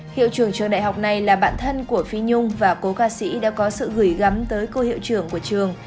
hiệu trưởng trường đại học này là bạn thân của phi nhung và cố ca sĩ đã có sự gửi gắm tới cô hiệu trưởng của trường